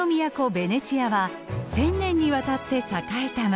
ベネチアは１，０００年にわたって栄えた街。